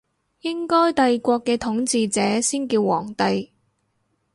應該帝國嘅統治者先叫皇帝